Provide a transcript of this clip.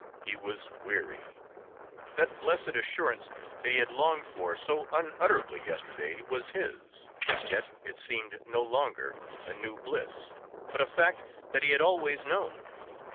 He was weary. That blessed assurance that he had longed for so unutterably yesterday was his, yet it seemed no longer a new bliss, but a fact that he had always known.